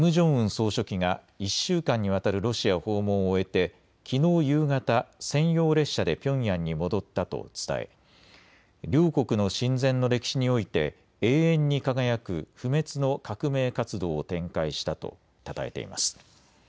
総書記が１週間にわたるロシアを訪問を終えてきのう夕方、専用列車でピョンヤンに戻ったと伝え両国の親善の歴史において永遠に輝く不滅の革命活動を展開したとたたえています。